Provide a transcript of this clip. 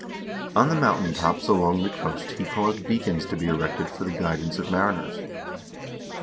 On the mountain tops along the coast he caused beacons to be erected for the guidance of mariners.